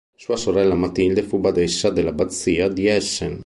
Sua sorella Matilde fu la badessa dell'abbazia di Essen.